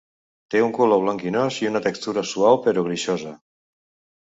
Té un color blanquinós i una textura suau però greixosa.